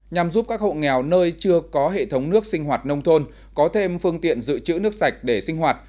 nhằm giúp các hộ nghèo nơi chưa có hệ thống nước sinh hoạt nông thôn có thêm phương tiện dự trữ nước sạch để sinh hoạt